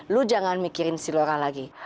lo jangan mikirin si laura lagi